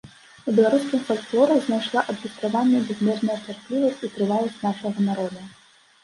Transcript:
У беларускім фальклоры знайшла адлюстраванне бязмерная цярплівасць і трываласць нашага народа.